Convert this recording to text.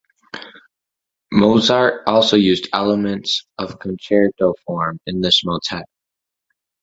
Mozart also used elements of concerto form in this motet.